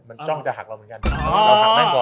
มันจ้องจะหักกับเราเหมือนกัน